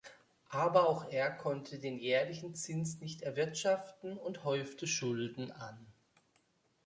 Aber auch er konnte den jährlichen Zins nicht erwirtschaften und häufte Schulden an.